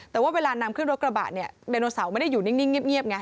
แต่ว่าเวลานำขึ้นรถกระบะเนี่ยไดโนเสาร์ไม่ได้อยู่นิ่งเงียบไง